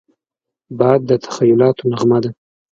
باد د تخیلاتو نغمه ده